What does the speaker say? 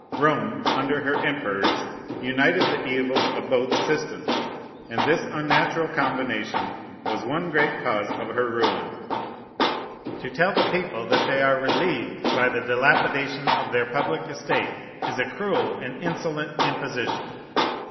Rome, under her emperors, united the evils of both systems; and this unnatural combination was one great cause of her ruin. To tell the people that they are relieved by the dilapidation of their public estate is a cruel and insolent imposition.